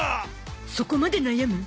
そこまで悩む？